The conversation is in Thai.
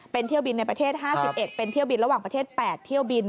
เป็นเที่ยวบินในประเทศ๕๑เป็นเที่ยวบินระหว่างประเทศ๘เที่ยวบิน